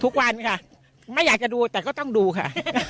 ทุกวันค่ะไม่อยากจะดูแต่ก็ต้องดูค่ะ